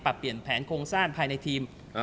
เปลี่ยนแผนโครงสร้างภายในทีม